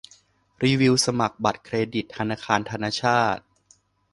รีวิวสมัครบัตรเครดิตธนาคารธนชาต